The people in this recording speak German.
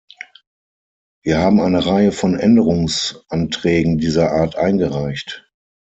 Wir haben eine Reihe von Änderungsanträgen dieser Art eingereicht.